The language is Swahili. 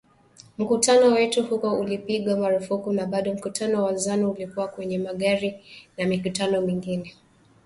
“Mkutano wetu huko ulipigwa marufuku na bado mkutano wa Zanu ulikuwa kwenye magari na mikutano mingine haikupigwa marufuku katika eneo hilo hilo"